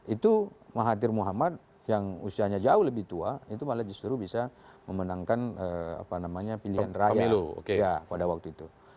itu mahathir muhammad yang usianya jauh lebih tua itu malah justru bisa memenangkan pilihan rakyat pada waktu itu